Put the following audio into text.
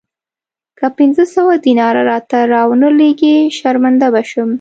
که پنځه سوه دیناره راته را ونه لېږې شرمنده به شم.